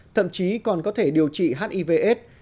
thậm chí còn có thể điều trị hiv aids